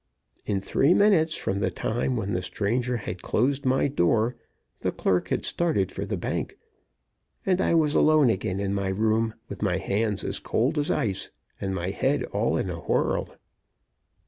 In three minutes from the time when the stranger had closed my door the clerk had started for the bank, and I was alone again in my room, with my hands as cold as ice and my head all in a whirl.